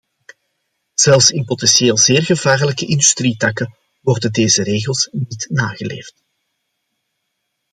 Zelfs in potentieel zeer gevaarlijke industrietakken worden deze regels niet nageleefd.